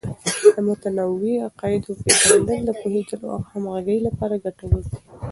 د متنوع عقایدو پیژندل د پوهیدلو او همغږۍ لپاره ګټور دی.